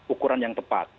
ukuran yang tepat